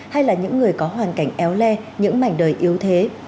hay là những người có hoàn cảnh éo le những mảnh đời yếu thế